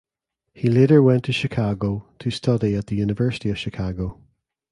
He later went to Chicago to study at the University of Chicago.